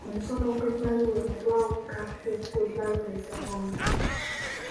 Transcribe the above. Omusomo gw'ebbaluwa eno gwawuka ku gw'ebbaluwa esaba omulimu.